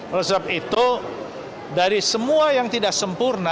oleh sebab itu dari semua yang tidak sempurna